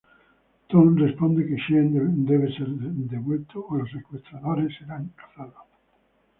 Tom responde que Sean debería ser devuelto o los secuestradores serán cazados.